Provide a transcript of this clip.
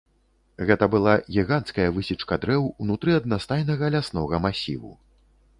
Гэта была гіганцкая высечка дрэў ўнутры аднастайнага ляснога масіву.